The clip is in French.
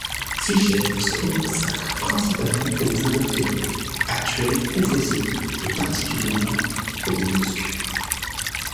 Fischer se consacre principalement aux invertébrés, actuels ou fossiles, et particulièrement aux mollusques.